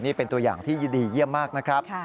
นี่เป็นตัวอย่างที่ยินดีเยี่ยมมากนะครับ